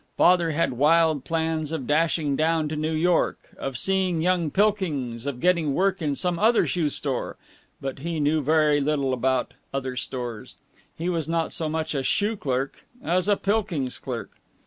Father had wild plans of dashing down to New York, of seeing young Pilkings, of getting work in some other shoe store. But he knew very little about other stores. He was not so much a shoe clerk as a Pilkings clerk.